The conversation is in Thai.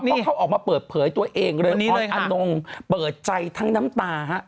เพราะเขาออกมาเปิดเผยตัวเองเลยออนอนงเปิดใจทั้งน้ำตาฮะ